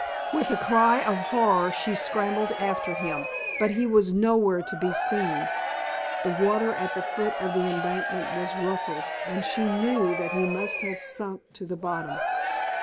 With a cry of horror she scrambled after him, but he was nowhere to be seen. The water at the foot of the embankment was ruffled, and she knew that he must have sunk to the bottom.